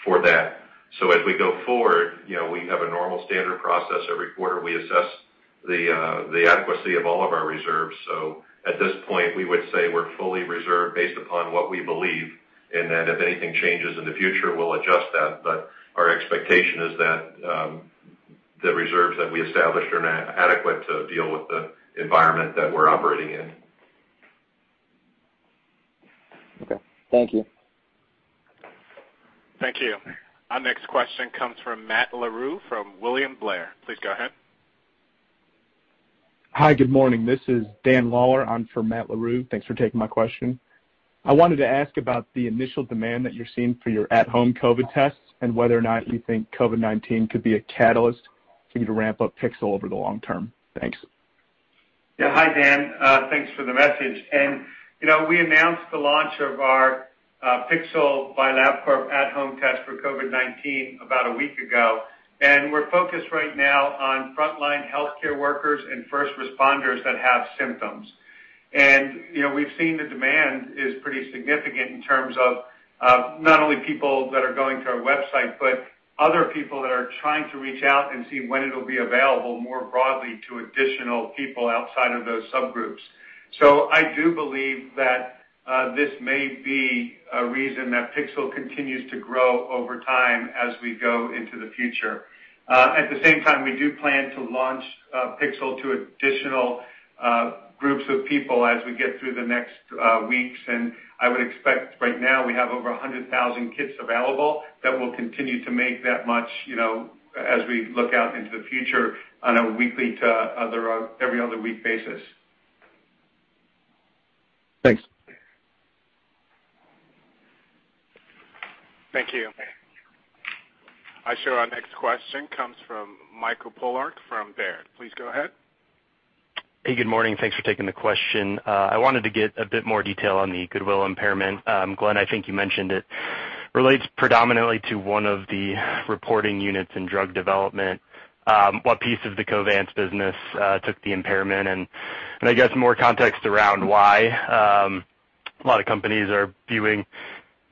for that. As we go forward, we have a normal standard process. Every quarter, we assess the adequacy of all of our reserves. At this point, we would say we're fully reserved based upon what we believe. If anything changes in the future, we'll adjust that. Our expectation is that the reserves that we established are now adequate to deal with the environment that we're operating in. Okay. Thank you. Thank you. Our next question comes from Matt Larew from William Blair. Please go ahead. Hi. Good morning. This is Dan Lawler on for Matt Larew. Thanks for taking my question. I wanted to ask about the initial demand that you're seeing for your at-home COVID tests and whether or not you think COVID-19 could be a catalyst for you to ramp up Pixel over the long term. Thanks. Yeah. Hi, Dan. Thanks for the message. We announced the launch of our Pixel by Labcorp at-home test for COVID-19 about a week ago, and we're focused right now on frontline healthcare workers and first responders that have symptoms. We've seen the demand is pretty significant in terms of not only people that are going to our website, but other people that are trying to reach out and see when it'll be available more broadly to additional people outside of those subgroups. I do believe that this may be a reason that Pixel continues to grow over time as we go into the future. At the same time, we do plan to launch Pixel to additional groups of people as we get through the next weeks. I would expect right now we have over 100,000 kits available that we'll continue to make that much as we look out into the future on a weekly to every other week basis. Thanks. Thank you. I show our next question comes from Michael Polark from Baird. Please go ahead. Hey, good morning. Thanks for taking the question. I wanted to get a bit more detail on the goodwill impairment. Glenn, I think you mentioned it relates predominantly to one of the reporting units in drug development. What piece of the Covance business took the impairment? I guess more context around why a lot of companies are viewing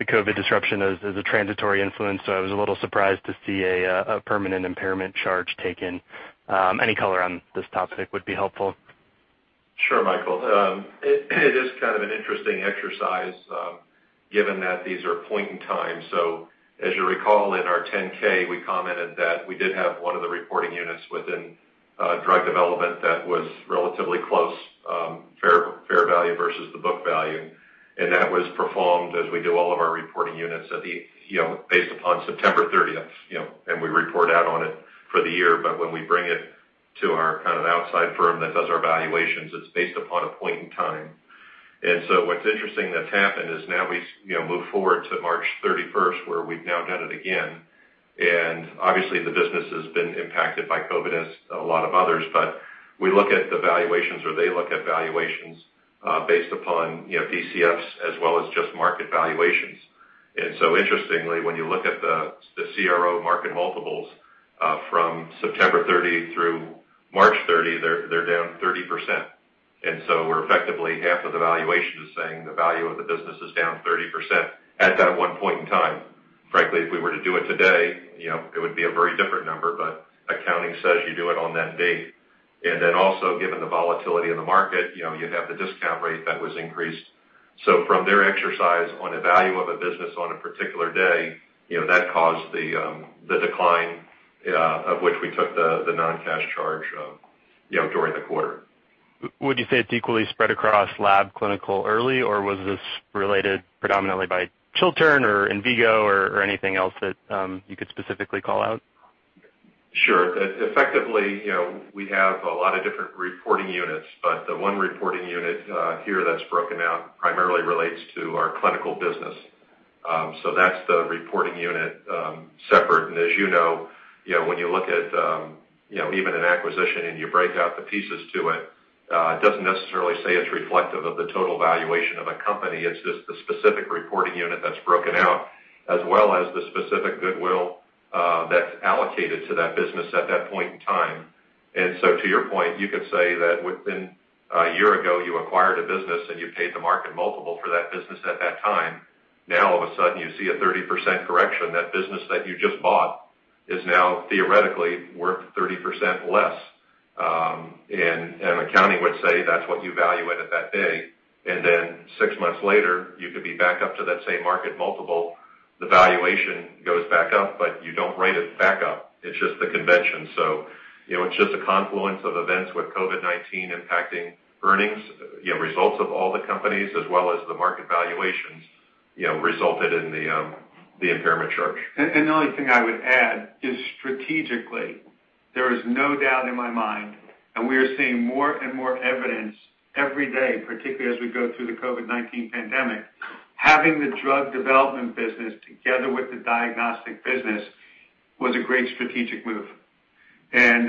the COVID disruption as a transitory influence, so I was a little surprised to see a permanent impairment charge taken. Any color on this topic would be helpful. Sure, Michael. It is kind of an interesting exercise given that these are point in time. As you recall, in our 10-K, we commented that we did have one of the reporting units within drug development that was relatively close, fair value versus the book value. That was performed as we do all of our reporting units based upon September 30th, and we report out on it for the year. When we bring it to our outside firm that does our valuations, it's based upon a point in time. What's interesting that's happened is now we move forward to March 31st, where we've now done it again. Obviously the business has been impacted by COVID as a lot of others, but we look at the valuations, or they look at valuations based upon DCF as well as just market valuations. Interestingly, when you look at the CRO market multiples from September 30 through March 30, they're down 30%. We're effectively half of the valuation is saying the value of the business is down 30% at that one point in time. Frankly, if we were to do it today, it would be a very different number. Accounting says you do it on that date. Also given the volatility in the market, you'd have the discount rate that was increased. From their exercise on a value of a business on a particular day, that caused the decline of which we took the non-cash charge during the quarter. Would you say it's equally spread across lab, clinical, early, or was this related predominantly by Chiltern or Envigo or anything else that you could specifically call out? Sure. Effectively, we have a lot of different reporting units, but the one reporting unit here that's broken out primarily relates to our clinical business. That's the reporting unit separate. As you know, when you look at even an acquisition and you break out the pieces to it doesn't necessarily say it's reflective of the total valuation of a company. It's just the specific reporting unit that's broken out as well as the specific goodwill that's allocated to that business at that point in time. To your point, you could say that within a year ago, you acquired a business and you paid the market multiple for that business at that time. Now all of a sudden you see a 30% correction. That business that you just bought is now theoretically worth 30% less. Accounting would say that's what you value it at that day. Six months later, you could be back up to that same market multiple. The valuation goes back up, but you don't write it back up. It's just the convention. It's just a confluence of events with COVID-19 impacting earnings, results of all the companies as well as the market valuations resulted in the impairment charge. The only thing I would add is strategically, there is no doubt in my mind, and we are seeing more and more evidence every day, particularly as we go through the COVID-19 pandemic, having the drug development business together with the diagnostic business was a great strategic move.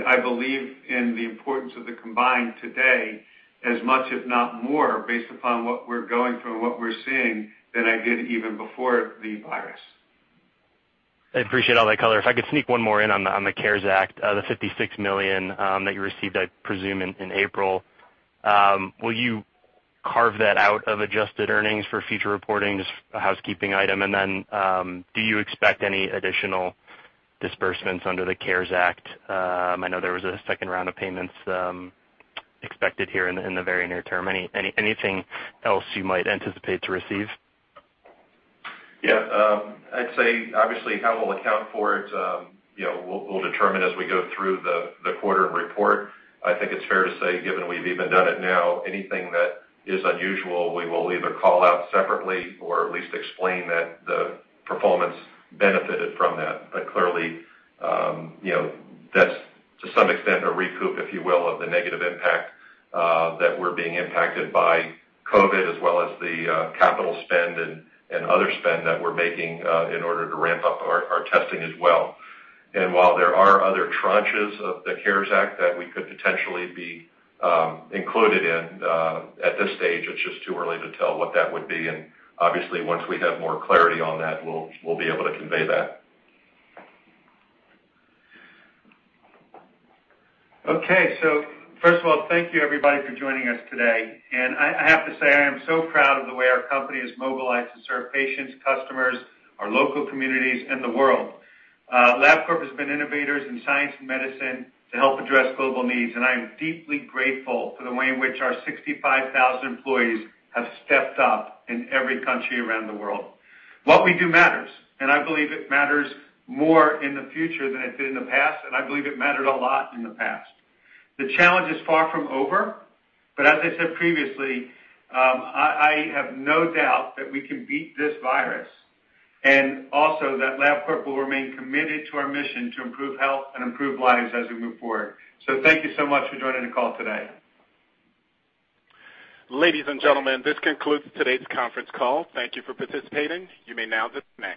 I believe in the importance of the combined today, as much if not more, based upon what we're going through and what we're seeing than I did even before the virus. I appreciate all that color. If I could sneak one more in on the CARES Act, the $56 million that you received, I presume, in April. Will you carve that out of adjusted earnings for future reporting? Just a housekeeping item. Then, do you expect any additional disbursements under the CARES Act? I know there was a second round of payments expected here in the very near term. Anything else you might anticipate to receive? Yeah. I'd say, obviously, how we'll account for it, we'll determine as we go through the quarter and report. I think it's fair to say, given we've even done it now, anything that is unusual, we will either call out separately or at least explain that the performance benefited from that. Clearly, that's to some extent a recoup, if you will, of the negative impact that we're being impacted by COVID-19 as well as the capital spend and other spend that we're making in order to ramp up our testing as well. While there are other tranches of the CARES Act that we could potentially be included in, at this stage, it's just too early to tell what that would be. Obviously, once we have more clarity on that, we'll be able to convey that. Okay. First of all, thank you everybody for joining us today. I have to say, I am so proud of the way our company has mobilized to serve patients, customers, our local communities, and the world. Labcorp has been innovators in science and medicine to help address global needs, and I am deeply grateful for the way in which our 65,000 employees have stepped up in every country around the world. What we do matters, and I believe it matters more in the future than it did in the past, and I believe it mattered a lot in the past. The challenge is far from over, but as I said previously, I have no doubt that we can beat this virus and also that Labcorp will remain committed to our mission to improve health and improve lives as we move forward. Thank you so much for joining the call today. Ladies and gentlemen, this concludes today's conference call. Thank you for participating. You may now disconnect.